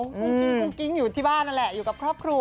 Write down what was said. คงกิ้งอยู่ที่บ้านนั่นแหละอยู่กับครอบครัว